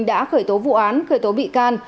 đã khởi tố vụ án khởi tố bị can